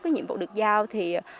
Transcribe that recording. cái nhiệm vụ được giao thì